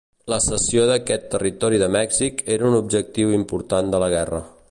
La cessió d'aquest territori de Mèxic era un objectiu important de la guerra.